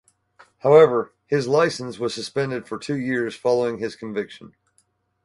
However, his license was suspended for two years following his conviction.